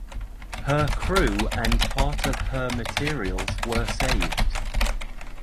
Her crew and part of her materials were saved.